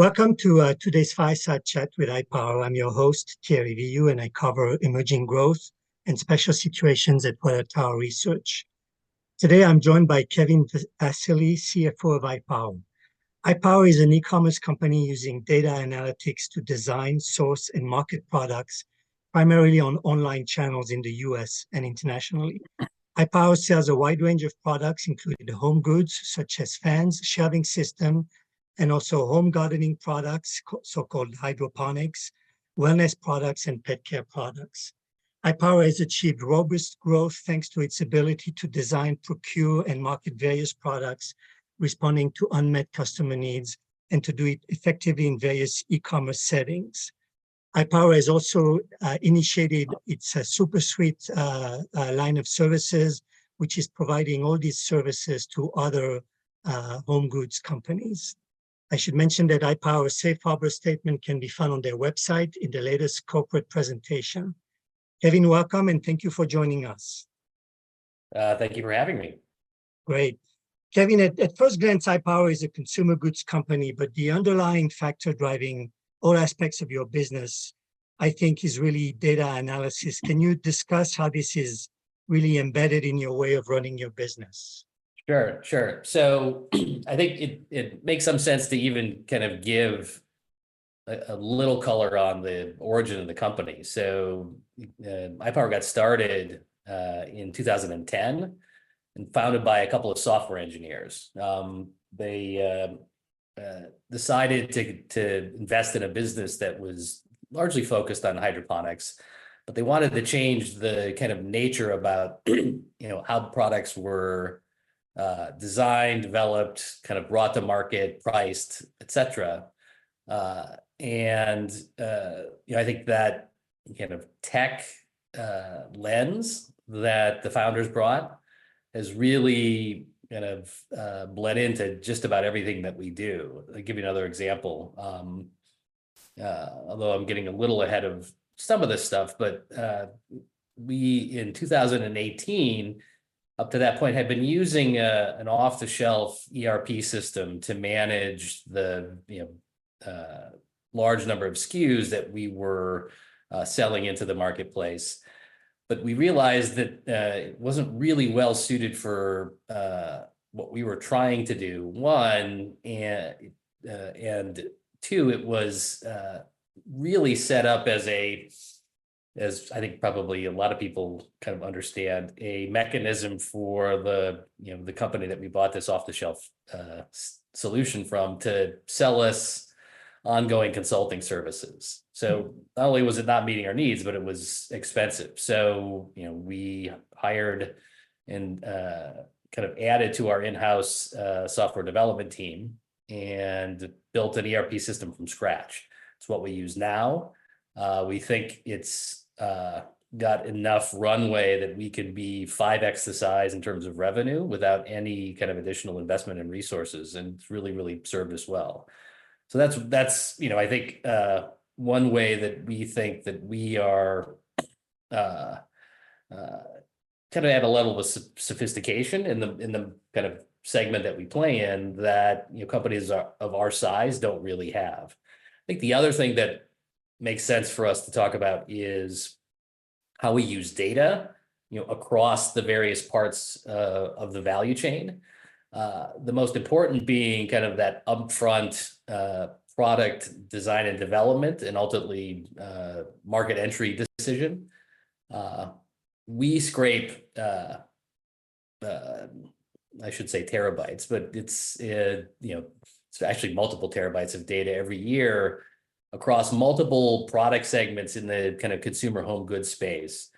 Welcome to today's Fireside Chat with iPower. I'm your host, Thierry Wuilloud, and I cover emerging growth and special situations at Water Tower Research. Today I'm joined by Kevin Vassily, CFO of iPower. iPower is an e-commerce company using data analytics to design, source, and market products primarily on online channels in the U.S. and internationally. iPower sells a wide range of products, including home goods such as fans, shelving systems, and also home gardening products, so-called hydroponics, wellness products, and pet care products. iPower has achieved robust growth thanks to its ability to design, procure, and market various products, responding to unmet customer needs, and to do it effectively in various e-commerce settings. iPower has also initiated its SuperSuite line of services, which is providing all these services to other home goods companies. I should mention that iPower's safe harbor statement can be found on their website in the latest corporate presentation. Kevin, welcome, and thank you for joining us. Thank you for having me. Great. Kevin, at first glance, iPower is a consumer goods company, but the underlying factor driving all aspects of your business, I think, is really data analysis. Can you discuss how this is really embedded in your way of running your business? Sure, sure. So I think it makes some sense to even kind of give a little color on the origin of the company. So iPower got started in 2010 and founded by a couple of software engineers. They decided to invest in a business that was largely focused on hydroponics, but they wanted to change the kind of nature about how products were designed, developed, kind of brought to market, priced, et cetera. And I think that kind of tech lens that the founders brought has really kind of bled into just about everything that we do. I'll give you another example, although I'm getting a little ahead of some of this stuff, but we, in 2018, up to that point, had been using an off-the-shelf ERP system to manage the large number of SKUs that we were selling into the marketplace. But we realized that it wasn't really well suited for what we were trying to do. One, and two, it was really set up as a, as I think probably a lot of people kind of understand, a mechanism for the company that we bought this off-the-shelf solution from to sell us ongoing consulting services. So not only was it not meeting our needs, but it was expensive. So we hired and kind of added to our in-house software development team and built an ERP system from scratch. It's what we use now. We think it's got enough runway that we can be 5x the size in terms of revenue without any kind of additional investment and resources, and it's really, really served us well. That's, I think, one way that we think that we are kind of at a level of sophistication in the kind of segment that we play in that companies of our size don't really have. I think the other thing that makes sense for us to talk about is how we use data across the various parts of the value chain, the most important being kind of that upfront product design and development and ultimately market entry decision. We scrape, I should say, terabytes, but it's actually multiple terabytes of data every year across multiple product segments in the kind of consumer home goods space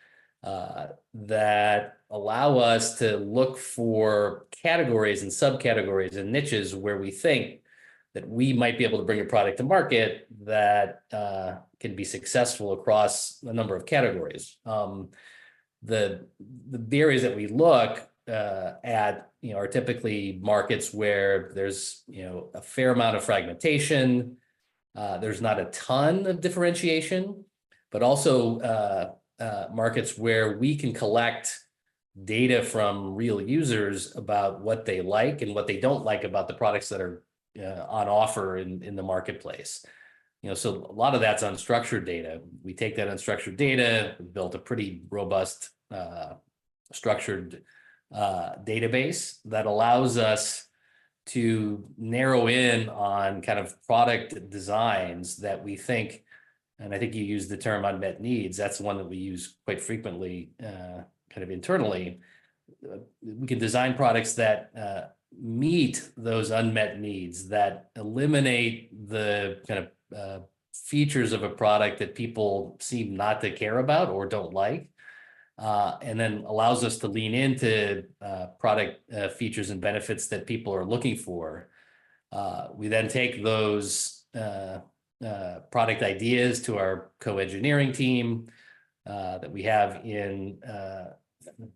that allow us to look for categories and subcategories and niches where we think that we might be able to bring a product to market that can be successful across a number of categories. The areas that we look at are typically markets where there's a fair amount of fragmentation. There's not a ton of differentiation, but also markets where we can collect data from real users about what they like and what they don't like about the products that are on offer in the marketplace. So a lot of that's unstructured data. We take that unstructured data, built a pretty robust structured database that allows us to narrow in on kind of product designs that we think, and I think you use the term unmet needs. That's one that we use quite frequently kind of internally. We can design products that meet those unmet needs that eliminate the kind of features of a product that people seem not to care about or don't like and then allows us to lean into product features and benefits that people are looking for. We then take those product ideas to our co-engineering team that we have in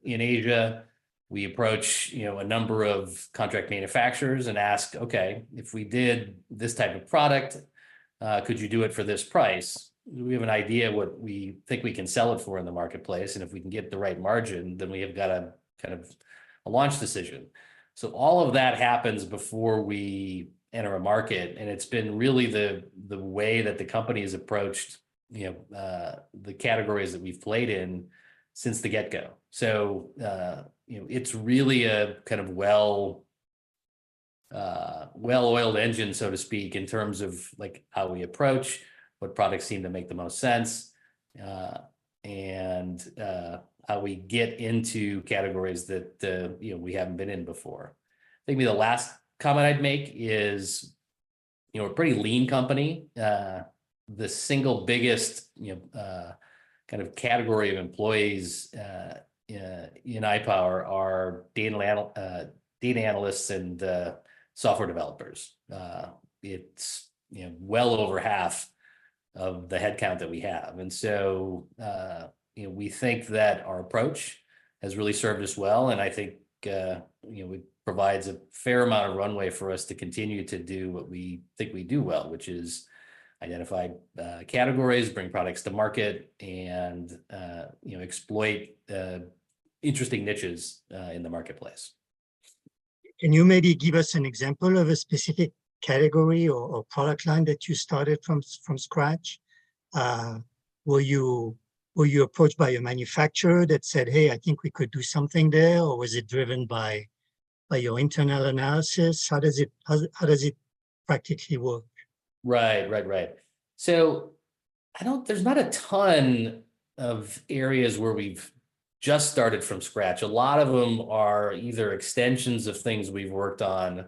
Asia. We approach a number of contract manufacturers and ask, "Okay, if we did this type of product, could you do it for this price?" We have an idea of what we think we can sell it for in the marketplace. And if we can get the right margin, then we have got to kind of a launch decision. So all of that happens before we enter a market. And it's been really the way that the company has approached the categories that we've played in since the get-go. So it's really a kind of well-oiled engine, so to speak, in terms of how we approach, what products seem to make the most sense, and how we get into categories that we haven't been in before. I think the last comment I'd make is we're a pretty lean company. The single biggest kind of category of employees in iPower are data analysts and software developers. It's well over half of the headcount that we have. And so we think that our approach has really served us well. And I think it provides a fair amount of runway for us to continue to do what we think we do well, which is identify categories, bring products to market, and exploit interesting niches in the marketplace. Can you maybe give us an example of a specific category or product line that you started from scratch? Were you approached by a manufacturer that said, "Hey, I think we could do something there," or was it driven by your internal analysis? How does it practically work? Right, right, right. So there's not a ton of areas where we've just started from scratch. A lot of them are either extensions of things we've worked on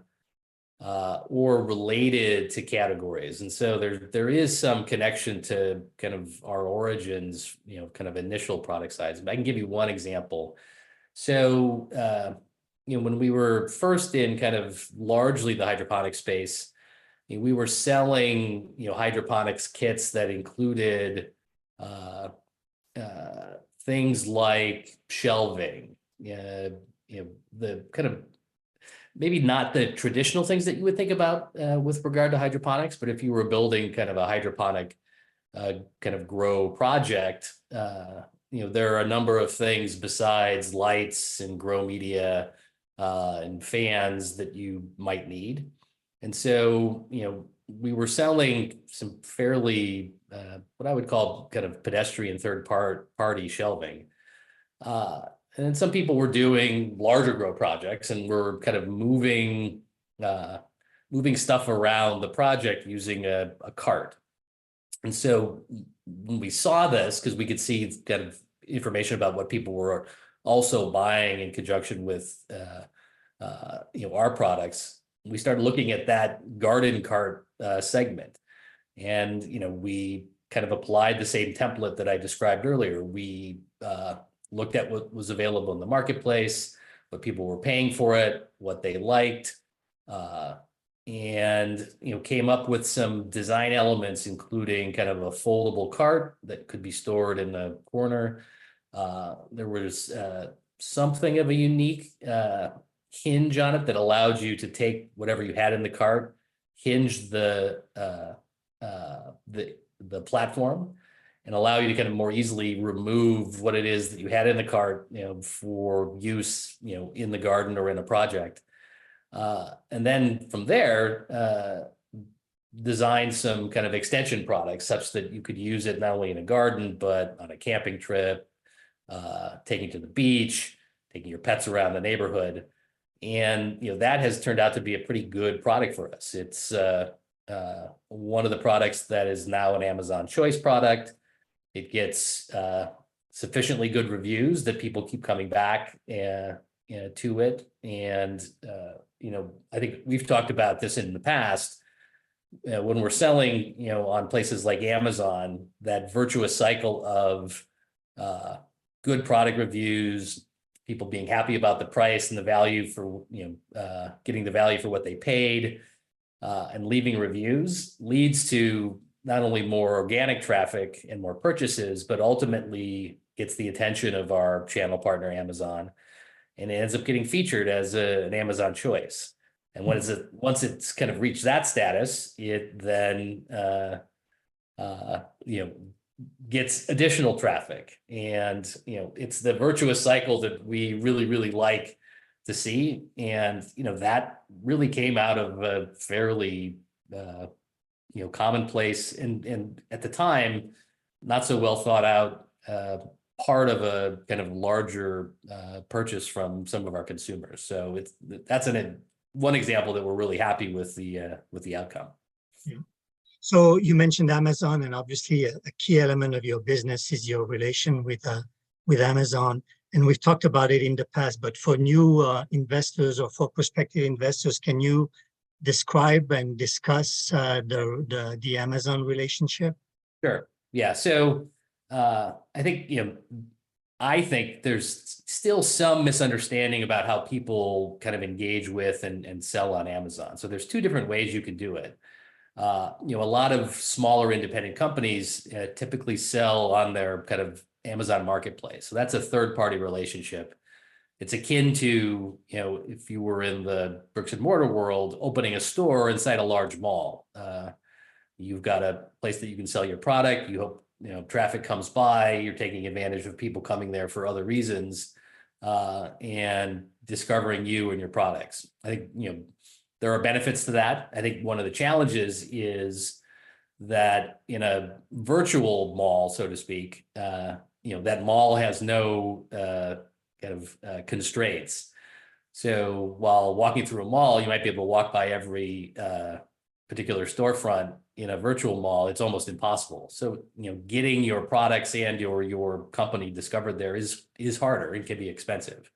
or related to categories. And so there is some connection to kind of our origins, kind of initial product sides. But I can give you one example. So when we were first in kind of largely the hydroponics space, we were selling hydroponics kits that included things like shelving, the kind of maybe not the traditional things that you would think about with regard to hydroponics, but if you were building kind of a hydroponic kind of grow project, there are a number of things besides lights and grow media and fans that you might need. And so we were selling some fairly, what I would call kind of pedestrian third-party shelving. Then some people were doing larger grow projects and were kind of moving stuff around the project using a cart. When we saw this, because we could see kind of information about what people were also buying in conjunction with our products, we started looking at that garden cart segment. We kind of applied the same template that I described earlier. We looked at what was available in the marketplace, what people were paying for it, what they liked, and came up with some design elements, including kind of a foldable cart that could be stored in the corner. There was something of a unique hinge on it that allowed you to take whatever you had in the cart, hinge the platform, and allow you to kind of more easily remove what it is that you had in the cart for use in the garden or in a project. And then from there, design some kind of extension products such that you could use it not only in a garden, but on a camping trip, taking to the beach, taking your pets around the neighborhood. And that has turned out to be a pretty good product for us. It's one of the products that is now an Amazon Choice product. It gets sufficiently good reviews that people keep coming back to it. And I think we've talked about this in the past. When we're selling on places like Amazon, that virtuous cycle of good product reviews, people being happy about the price and the value for getting the value for what they paid and leaving reviews leads to not only more organic traffic and more purchases, but ultimately gets the attention of our channel partner, Amazon. It ends up getting featured as an Amazon Choice. Once it's kind of reached that status, it then gets additional traffic. It's the virtuous cycle that we really, really like to see. That really came out of a fairly commonplace and, at the time, not so well thought out part of a kind of larger purchase from some of our consumers. So that's one example that we're really happy with the outcome. Yeah. So you mentioned Amazon, and obviously, a key element of your business is your relation with Amazon. And we've talked about it in the past, but for new investors or for prospective investors, can you describe and discuss the Amazon relationship? Sure. Yeah. So I think there's still some misunderstanding about how people kind of engage with and sell on Amazon. So there's two different ways you can do it. A lot of smaller independent companies typically sell on their kind of Amazon marketplace. So that's a third-party relationship. It's akin to, if you were in the brick-and-mortar world, opening a store inside a large mall. You've got a place that you can sell your product. You hope traffic comes by. You're taking advantage of people coming there for other reasons and discovering you and your products. I think there are benefits to that. I think one of the challenges is that in a virtual mall, so to speak, that mall has no kind of constraints. So while walking through a mall, you might be able to walk by every particular storefront. In a virtual mall, it's almost impossible. So getting your products and your company discovered there is harder and can be expensive.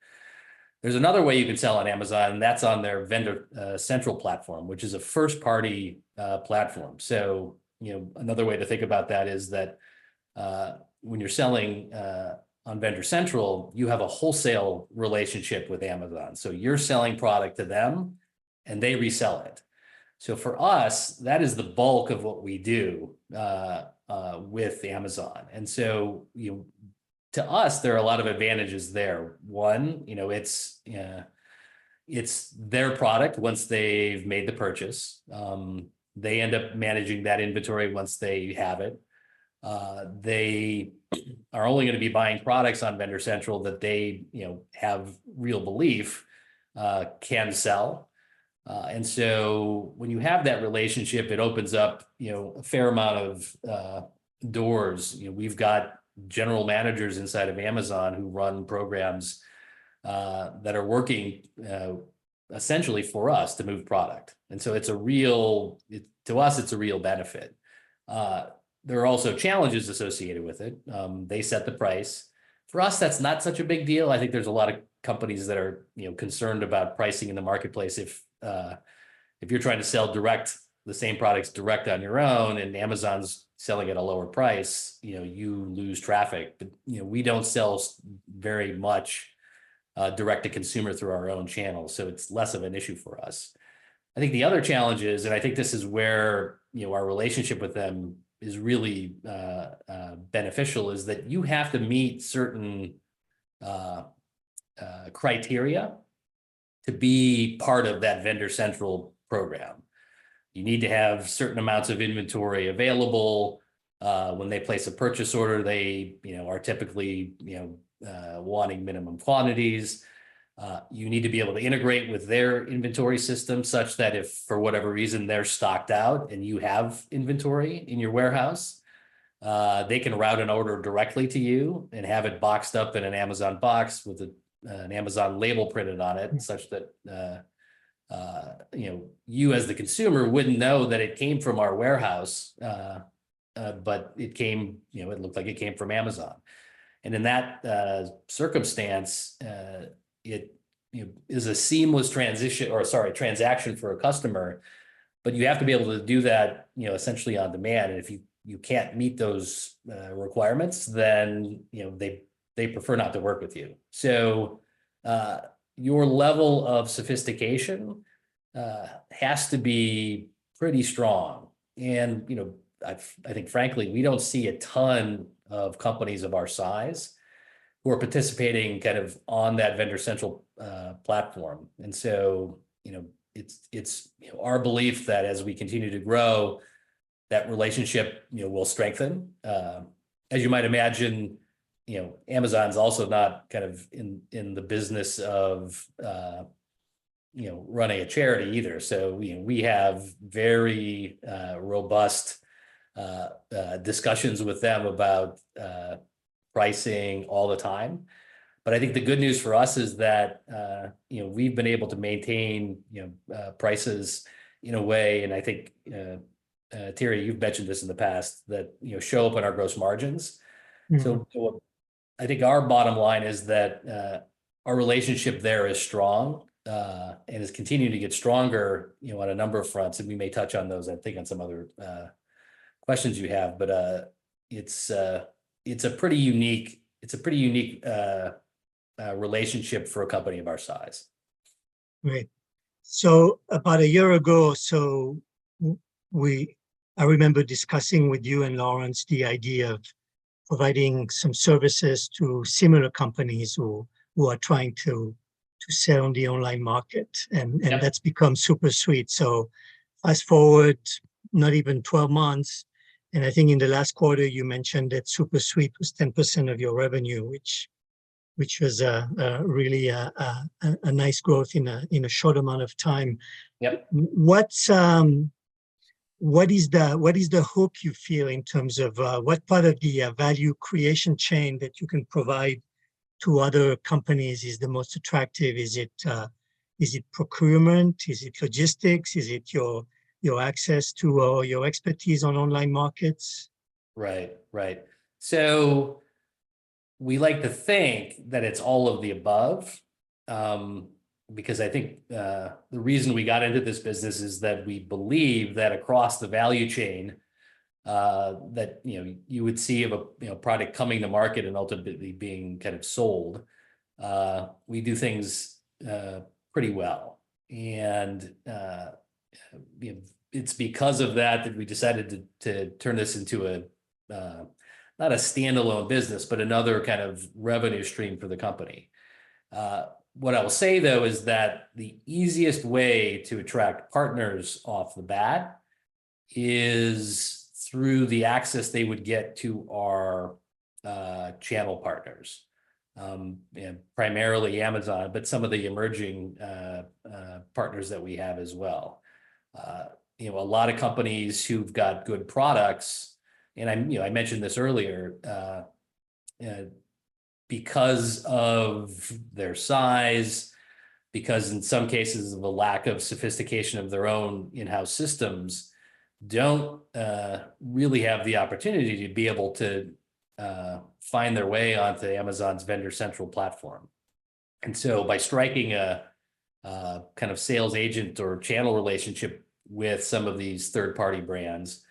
There's another way you can sell on Amazon, and that's on their Vendor Central platform, which is a first-party platform. So another way to think about that is that when you're selling on Vendor Central, you have a wholesale relationship with Amazon. So you're selling product to them, and they resell it. So for us, that is the bulk of what we do with Amazon. And so to us, there are a lot of advantages there. One, it's their product. Once they've made the purchase, they end up managing that inventory once they have it. They are only going to be buying products on Vendor Central that they have real belief can sell. And so when you have that relationship, it opens up a fair amount of doors. We've got general managers inside of Amazon who run programs that are working essentially for us to move product. So to us, it's a real benefit. There are also challenges associated with it. They set the price. For us, that's not such a big deal. I think there's a lot of companies that are concerned about pricing in the marketplace. If you're trying to sell the same products direct on your own and Amazon's selling at a lower price, you lose traffic. But we don't sell very much direct-to-consumer through our own channel. So it's less of an issue for us. I think the other challenge is, and I think this is where our relationship with them is really beneficial, is that you have to meet certain criteria to be part of that Vendor Central program. You need to have certain amounts of inventory available. When they place a purchase order, they are typically wanting minimum quantities. You need to be able to integrate with their inventory system such that if for whatever reason they're stocked out and you have inventory in your warehouse, they can route an order directly to you and have it boxed up in an Amazon box with an Amazon label printed on it such that you as the consumer wouldn't know that it came from our warehouse, but it looked like it came from Amazon. And in that circumstance, it is a seamless transition or, sorry, transaction for a customer, but you have to be able to do that essentially on demand. And if you can't meet those requirements, then they prefer not to work with you. So your level of sophistication has to be pretty strong. And I think, frankly, we don't see a ton of companies of our size who are participating kind of on that Vendor Central platform. And so it's our belief that as we continue to grow, that relationship will strengthen. As you might imagine, Amazon's also not kind of in the business of running a charity either. So we have very robust discussions with them about pricing all the time. But I think the good news for us is that we've been able to maintain prices in a way. And I think, Thierry, you've mentioned this in the past, that show up on our gross margins. So I think our bottom line is that our relationship there is strong and is continuing to get stronger on a number of fronts. And we may touch on those, I think, on some other questions you have. But it's a pretty unique relationship for a company of our size. Right. So about a year ago, I remember discussing with you and Lawrence the idea of providing some services to similar companies who are trying to sell on the online market. And that's become SuperSuite. So fast forward, not even 12 months. And I think in the last quarter, you mentioned that SuperSuite was 10% of your revenue, which was really a nice growth in a short amount of time. What is the hook you feel in terms of what part of the value creation chain that you can provide to other companies is the most attractive? Is it procurement? Is it logistics? Is it your access to or your expertise on online markets? Right, right. So we like to think that it's all of the above because I think the reason we got into this business is that we believe that across the value chain that you would see of a product coming to market and ultimately being kind of sold, we do things pretty well. It's because of that that we decided to turn this into not a standalone business, but another kind of revenue stream for the company. What I will say, though, is that the easiest way to attract partners off the bat is through the access they would get to our channel partners, primarily Amazon, but some of the emerging partners that we have as well. A lot of companies who've got good products, and I mentioned this earlier, because of their size, because in some cases of a lack of sophistication of their own in-house systems, don't really have the opportunity to be able to find their way onto Amazon's Vendor Central platform. So by striking a kind of sales agent or channel relationship with some of these third-party brands,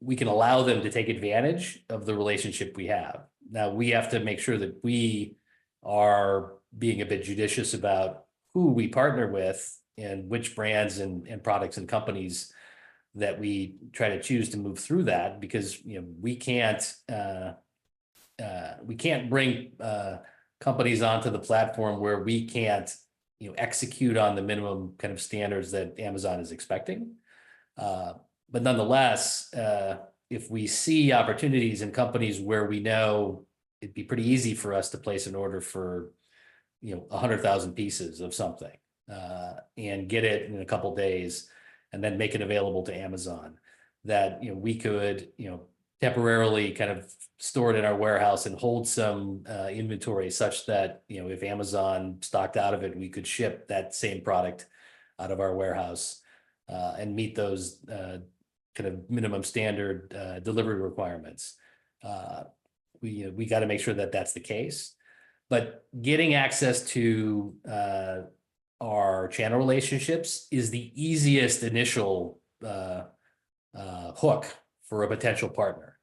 we can allow them to take advantage of the relationship we have. Now, we have to make sure that we are being a bit judicious about who we partner with and which brands and products and companies that we try to choose to move through that because we can't bring companies onto the platform where we can't execute on the minimum kind of standards that Amazon is expecting. But nonetheless, if we see opportunities in companies where we know it'd be pretty easy for us to place an order for 100,000 pieces of something and get it in a couple of days and then make it available to Amazon, that we could temporarily kind of store it in our warehouse and hold some inventory such that if Amazon stocked out of it, we could ship that same product out of our warehouse and meet those kind of minimum standard delivery requirements. We got to make sure that that's the case. But getting access to our channel relationships is the easiest initial hook for a potential partner.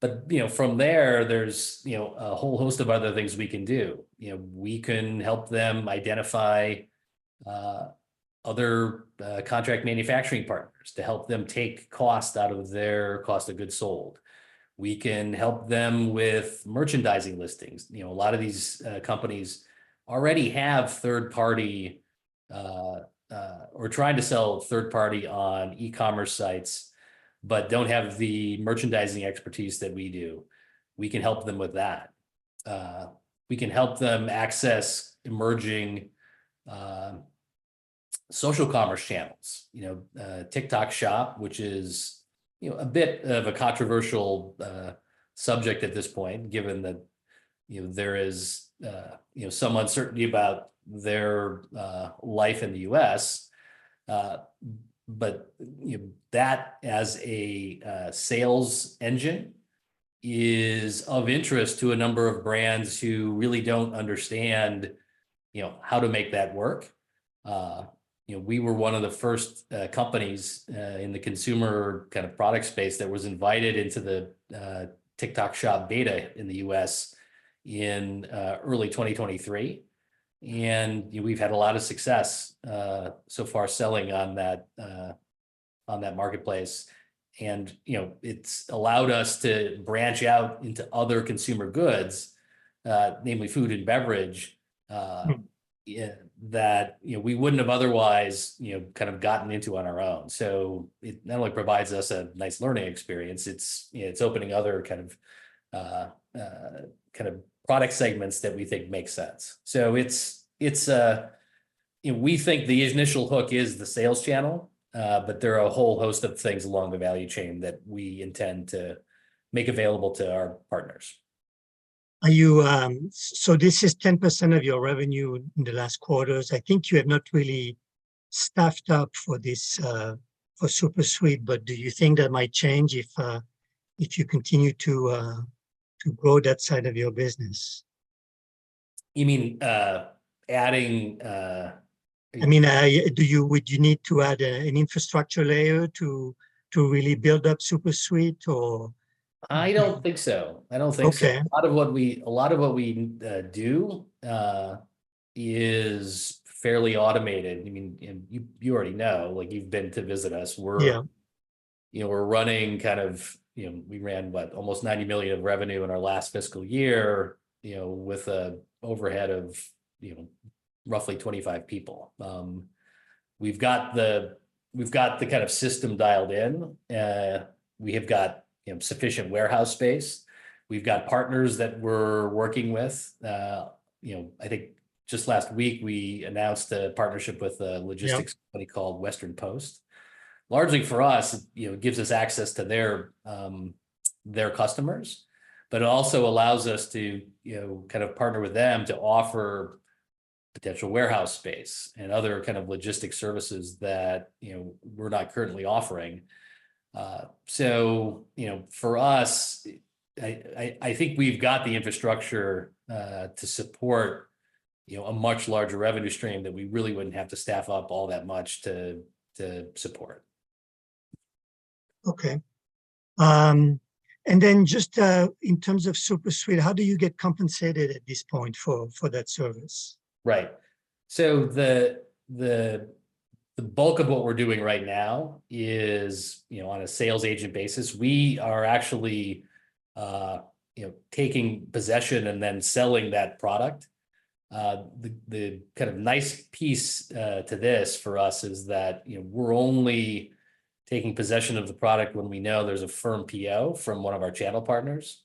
But from there, there's a whole host of other things we can do. We can help them identify other contract manufacturing partners to help them take cost out of their cost of goods sold. We can help them with merchandising listings. A lot of these companies already have third-party or trying to sell third-party on e-commerce sites but don't have the merchandising expertise that we do. We can help them with that. We can help them access emerging social commerce channels, TikTok Shop, which is a bit of a controversial subject at this point, given that there is some uncertainty about their life in the U.S. But that as a sales engine is of interest to a number of brands who really don't understand how to make that work. We were one of the first companies in the consumer kind of product space that was invited into the TikTok Shop beta in the U.S. in early 2023. We've had a lot of success so far selling on that marketplace. And it's allowed us to branch out into other consumer goods, namely food and beverage, that we wouldn't have otherwise kind of gotten into on our own. So it not only provides us a nice learning experience, it's opening other kind of product segments that we think make sense. So we think the initial hook is the sales channel, but there are a whole host of things along the value chain that we intend to make available to our partners. This is 10% of your revenue in the last quarters. I think you have not really staffed up for SuperSuite, but do you think that might change if you continue to grow that side of your business? You mean adding. I mean, would you need to add an infrastructure layer to really build up SuperSuite, or? I don't think so. I don't think so. A lot of what we do is fairly automated. I mean, you already know. You've been to visit us. We're running kind of we ran, what, almost $90 million in revenue in our last fiscal year with an overhead of roughly 25 people. We've got the kind of system dialed in. We have got sufficient warehouse space. We've got partners that we're working with. I think just last week, we announced a partnership with a logistics company called Western Post. Largely for us, it gives us access to their customers, but it also allows us to kind of partner with them to offer potential warehouse space and other kind of logistics services that we're not currently offering. So for us, I think we've got the infrastructure to support a much larger revenue stream that we really wouldn't have to staff up all that much to support. Okay. And then just in terms of SuperSuite, how do you get compensated at this point for that service? Right. So the bulk of what we're doing right now is on a sales agent basis. We are actually taking possession and then selling that product. The kind of nice piece to this for us is that we're only taking possession of the product when we know there's a firm PO from one of our channel partners.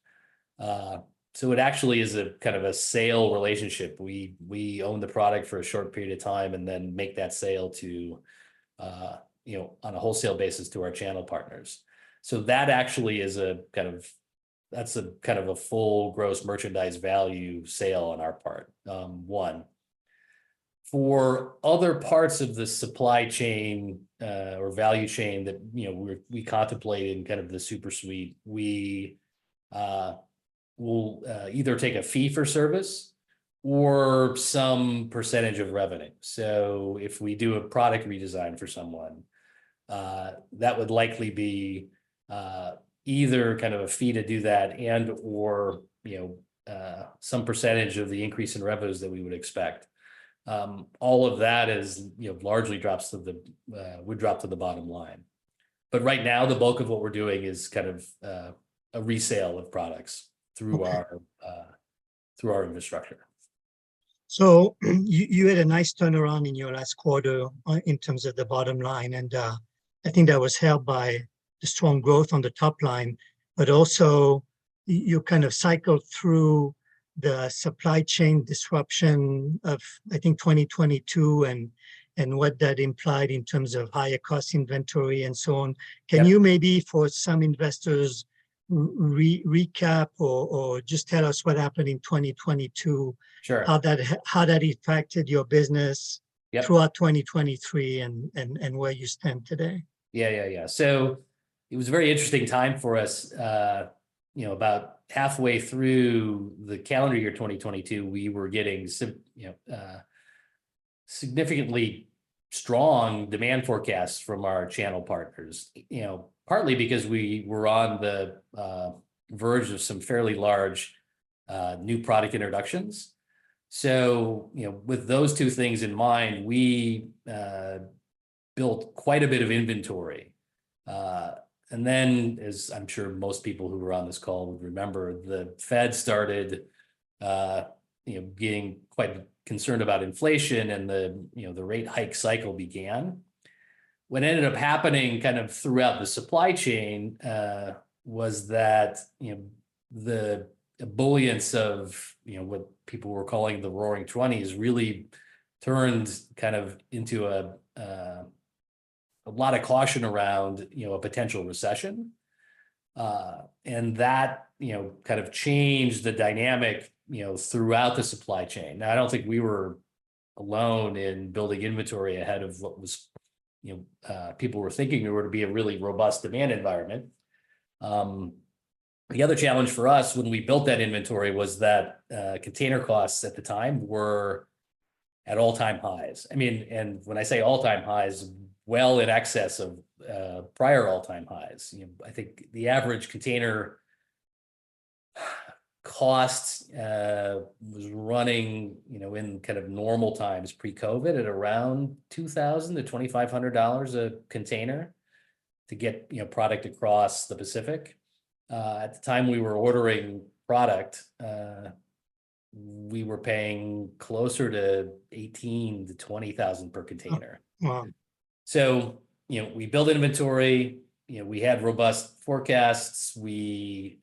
So it actually is a kind of a sale relationship. We own the product for a short period of time and then make that sale on a wholesale basis to our channel partners. So that actually is a kind of that's kind of a full gross merchandise value sale on our part, one. For other parts of the supply chain or value chain that we contemplate in kind of the SuperSuite, we will either take a fee for service or some percentage of revenue. So if we do a product redesign for someone, that would likely be either kind of a fee to do that and/or some percentage of the increase in revenues that we would expect. All of that largely would drop to the bottom line. But right now, the bulk of what we're doing is kind of a resale of products through our infrastructure. You had a nice turnaround in your last quarter in terms of the bottom line. I think that was helped by the strong growth on the top line, but also you kind of cycled through the supply chain disruption of, I think, 2022 and what that implied in terms of higher cost inventory and so on. Can you maybe, for some investors, recap or just tell us what happened in 2022, how that affected your business throughout 2023 and where you stand today? Yeah, yeah, yeah. So it was a very interesting time for us. About halfway through the calendar year 2022, we were getting significantly strong demand forecasts from our channel partners, partly because we were on the verge of some fairly large new product introductions. So with those two things in mind, we built quite a bit of inventory. And then, as I'm sure most people who were on this call would remember, the Fed started getting quite concerned about inflation and the rate hike cycle began. What ended up happening kind of throughout the supply chain was that the ebullience of what people were calling the roaring '20s really turned kind of into a lot of caution around a potential recession. And that kind of changed the dynamic throughout the supply chain. Now, I don't think we were alone in building inventory ahead of what people were thinking there were to be a really robust demand environment. The other challenge for us when we built that inventory was that container costs at the time were at all-time highs. I mean, and when I say all-time highs, well in excess of prior all-time highs. I think the average container cost was running in kind of normal times pre-COVID at around $2,000-$2,500 a container to get product across the Pacific. At the time we were ordering product, we were paying closer to $18,000-$20,000 per container. So we built inventory. We had robust forecasts. We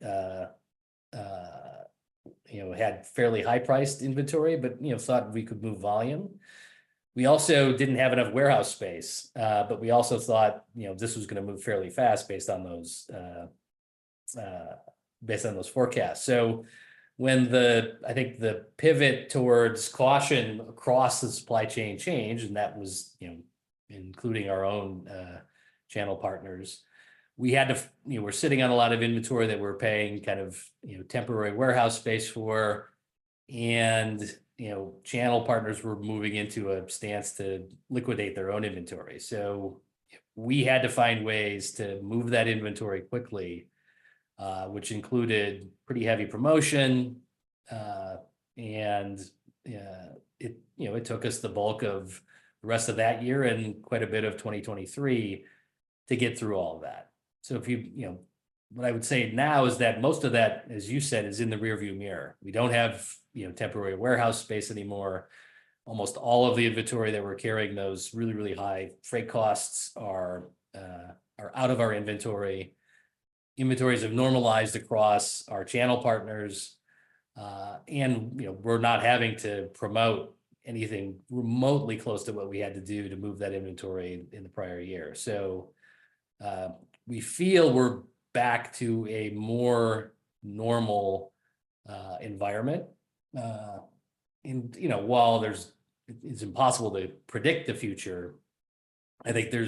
had fairly high-priced inventory, but thought we could move volume. We also didn't have enough warehouse space, but we also thought this was going to move fairly fast based on those forecasts. So when I think the pivot towards caution across the supply chain changed, and that was including our own channel partners, we had to, we're sitting on a lot of inventory that we're paying kind of temporary warehouse space for, and channel partners were moving into a stance to liquidate their own inventory. So we had to find ways to move that inventory quickly, which included pretty heavy promotion. And it took us the bulk of the rest of that year and quite a bit of 2023 to get through all of that. So what I would say now is that most of that, as you said, is in the rearview mirror. We don't have temporary warehouse space anymore. Almost all of the inventory that we're carrying, those really, really high freight costs are out of our inventory. Inventories have normalized across our channel partners, and we're not having to promote anything remotely close to what we had to do to move that inventory in the prior year. So we feel we're back to a more normal environment. And while it's impossible to predict the future, I think there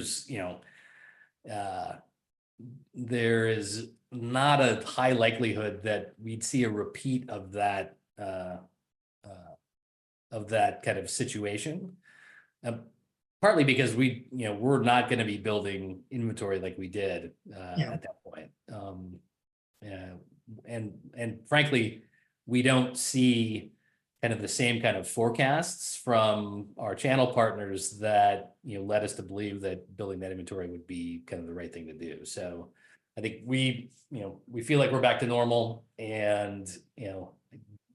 is not a high likelihood that we'd see a repeat of that kind of situation, partly because we're not going to be building inventory like we did at that point. And frankly, we don't see kind of the same kind of forecasts from our channel partners that led us to believe that building that inventory would be kind of the right thing to do. So I think we feel like we're back to normal and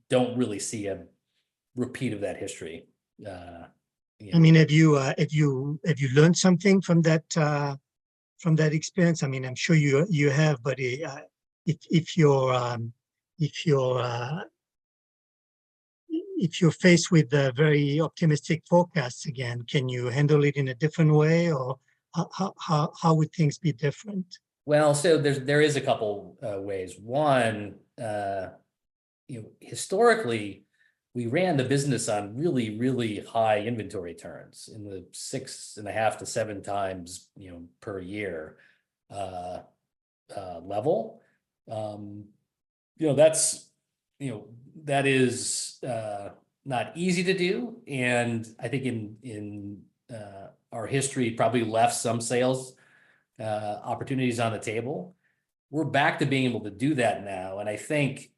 don't really see a repeat of that history. I mean, have you learned something from that experience? I mean, I'm sure you have, but if you're faced with a very optimistic forecast again, can you handle it in a different way, or how would things be different? Well, so there is a couple of ways. One, historically, we ran the business on really, really high inventory turns in the 6.5-7 times per year level. That is not easy to do. And I think in our history, probably left some sales opportunities on the table. We're back to being able to do that now. And I think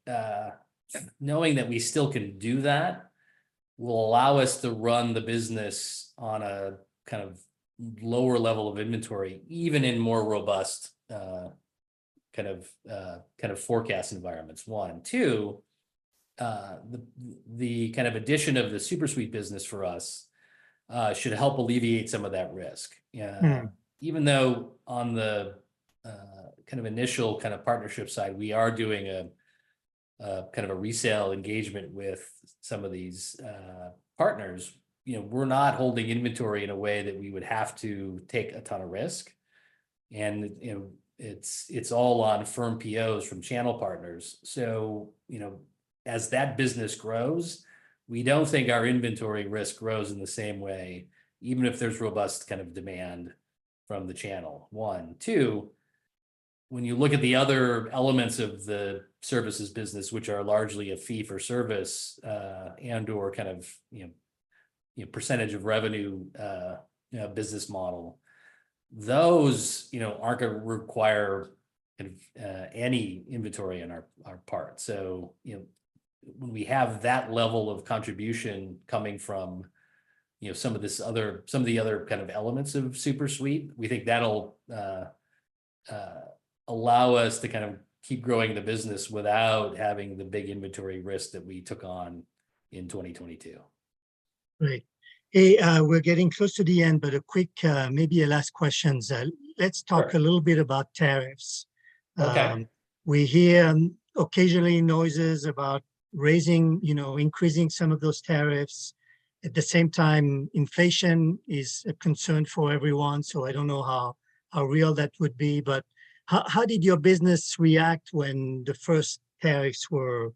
knowing that we still can do that will allow us to run the business on a kind of lower level of inventory, even in more robust kind of forecast environments. One. Two, the kind of addition of the SuperSuite business for us should help alleviate some of that risk. Even though on the kind of initial kind of partnership side, we are doing kind of a resale engagement with some of these partners, we're not holding inventory in a way that we would have to take a ton of risk. And it's all on firm POs from channel partners. So as that business grows, we don't think our inventory risk grows in the same way, even if there's robust kind of demand from the channel one two, when you look at the other elements of the services business, which are largely a fee for service and/or kind of percentage of revenue business model, those aren't going to require any inventory on our part. So when we have that level of contribution coming from some of the other kind of elements of SuperSuite, we think that'll allow us to kind of keep growing the business without having the big inventory risk that we took on in 2022. Great. Hey, we're getting close to the end, but a quick, maybe a last question. Let's talk a little bit about tariffs. We hear occasionally noises about raising, increasing some of those tariffs. At the same time, inflation is a concern for everyone. So I don't know how real that would be, but how did your business react when the first tariffs were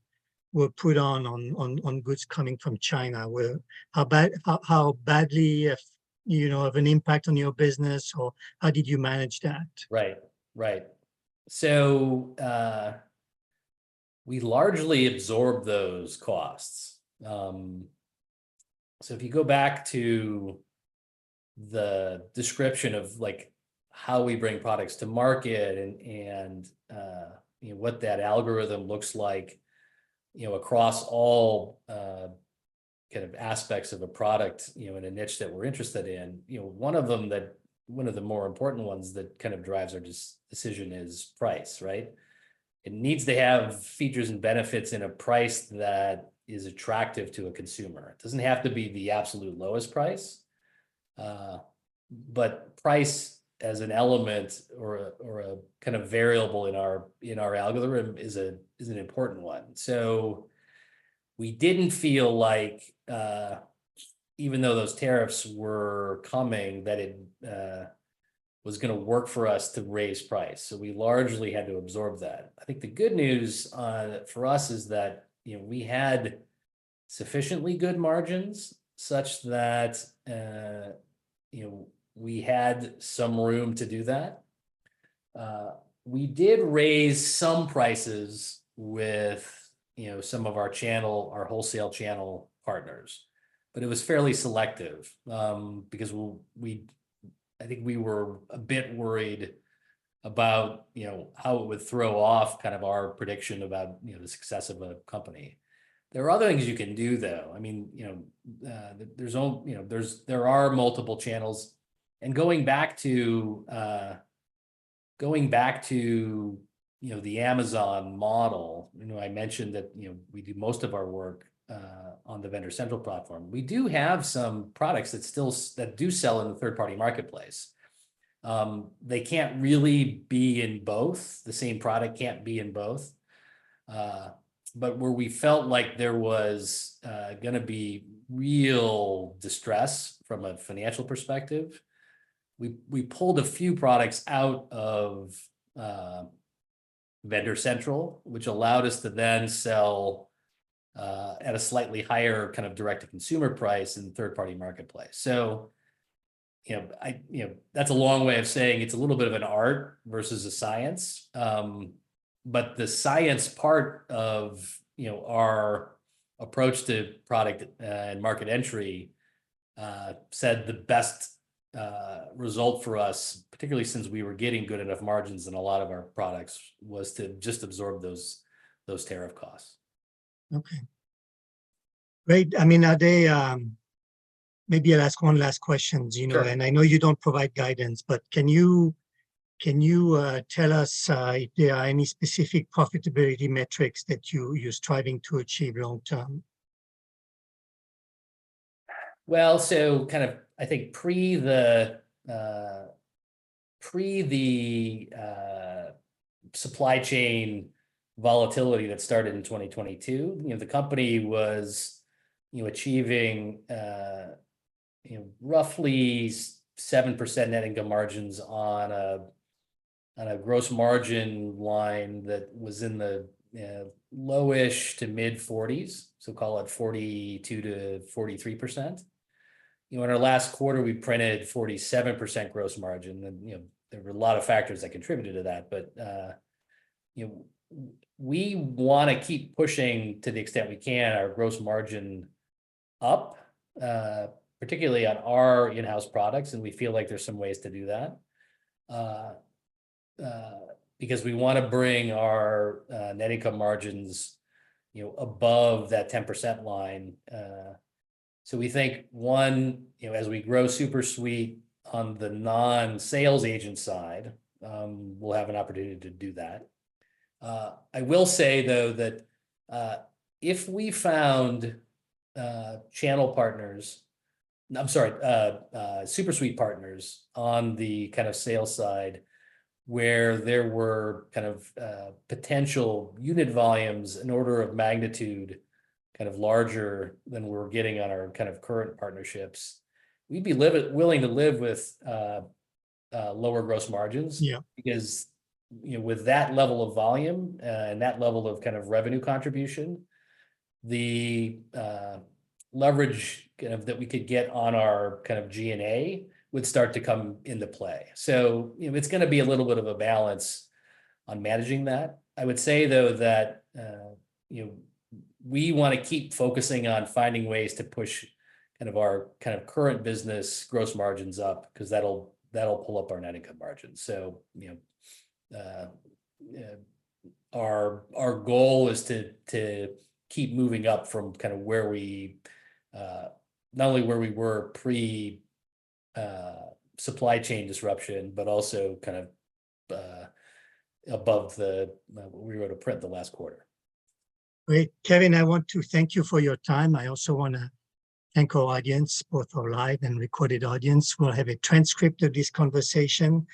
put on goods coming from China? How badly of an impact on your business, or how did you manage that? Right, right. So we largely absorbed those costs. So if you go back to the description of how we bring products to market and what that algorithm looks like across all kind of aspects of a product in a niche that we're interested in, one of them, one of the more important ones that kind of drives our decision is price, right? It needs to have features and benefits in a price that is attractive to a consumer. It doesn't have to be the absolute lowest price, but price as an element or a kind of variable in our algorithm is an important one. So we didn't feel like, even though those tariffs were coming, that it was going to work for us to raise price. So we largely had to absorb that. I think the good news for us is that we had sufficiently good margins such that we had some room to do that. We did raise some prices with some of our wholesale channel partners, but it was fairly selective because I think we were a bit worried about how it would throw off kind of our prediction about the success of a company. There are other things you can do, though. I mean, there are multiple channels. And going back to the Amazon model, I mentioned that we do most of our work on the Vendor Central platform. We do have some products that do sell in the third-party marketplace. They can't really be in both. The same product can't be in both. But where we felt like there was going to be real distress from a financial perspective, we pulled a few products out of Vendor Central, which allowed us to then sell at a slightly higher kind of direct-to-consumer price in the third-party marketplace. So that's a long way of saying it's a little bit of an art versus a science. But the science part of our approach to product and market entry said the best result for us, particularly since we were getting good enough margins in a lot of our products, was to just absorb those tariff costs. Okay. Great. I mean, maybe I'll ask one last question. I know you don't provide guidance, but can you tell us if there are any specific profitability metrics that you're striving to achieve long-term? Well, so kind of I think pre the supply chain volatility that started in 2022, the company was achieving roughly 7% net income margins on a gross margin line that was in the lowish to mid-40s, so call it 42%-43%. In our last quarter, we printed 47% gross margin. There were a lot of factors that contributed to that, but we want to keep pushing to the extent we can our gross margin up, particularly on our in-house products, and we feel like there's some ways to do that because we want to bring our net income margins above that 10% line. So we think, one, as we grow SuperSuite on the non-sales agent side, we'll have an opportunity to do that. I will say, though, that if we found channel partners (I'm sorry, SuperSuite partners) on the kind of sales side where there were kind of potential unit volumes in order of magnitude kind of larger than we're getting on our kind of current partnerships, we'd be willing to live with lower gross margins because with that level of volume and that level of kind of revenue contribution, the leverage kind of that we could get on our kind of G&A would start to come into play. So it's going to be a little bit of a balance on managing that. I would say, though, that we want to keep focusing on finding ways to push kind of our kind of current business gross margins up because that'll pull up our net income margins. Our goal is to keep moving up from kind of not only where we were pre-supply chain disruption, but also kind of above what we were able to print the last quarter. Great. Kevin, I want to thank you for your time. I also want to thank our audience, both our live and recorded audience. We'll have a transcript of this conversation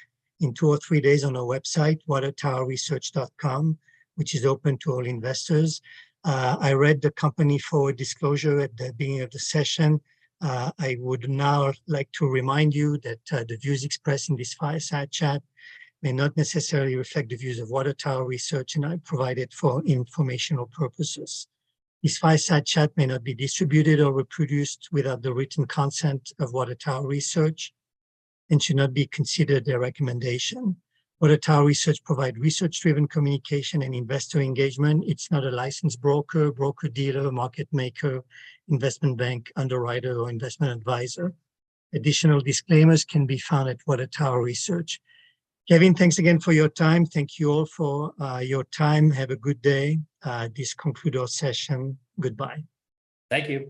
in two or three days on our website, watertowerresearch.com, which is open to all investors. I read the company forward disclosure at the beginning of the session. I would now like to remind you that the views expressed in this fireside chat may not necessarily reflect the views of Water Tower Research, and I provide it for informational purposes. This fireside chat may not be distributed or reproduced without the written consent of Water Tower Research and should not be considered a recommendation. Water Tower Research provides research-driven communication and investor engagement. It's not a licensed broker, broker-dealer, market maker, investment bank, underwriter, or investment advisor. Additional disclaimers can be found at Water Tower Research. Kevin, thanks again for your time. Thank you all for your time. Have a good day. This concludes our session. Goodbye. Thank you.